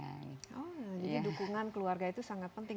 jadi dukungan keluarga itu sangat penting